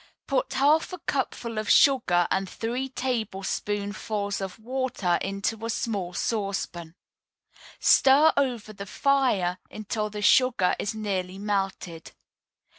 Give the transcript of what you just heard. Put half a cupful of sugar and three tablespoonfuls of water in a small saucepan. Stir over the fire until the sugar is nearly melted.